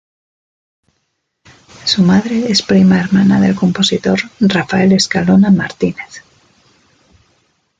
Su madre es prima hermana del compositor Rafael Escalona Martínez.